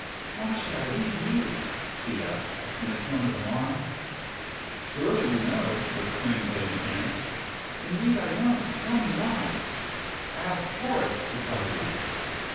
"Why should I leave you?" she asked, in a tone of alarm. "Surely you know!" exclaimed Lady Janet. "Indeed I don't. Tell me why." "Ask Horace to tell you."